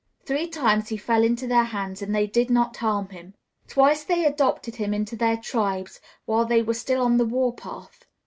Three times he fell into their hands and they did not harm him. Twice they adopted him into their tribes while they were still on the war path.